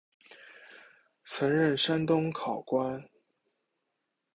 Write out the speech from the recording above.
曾任山东考官。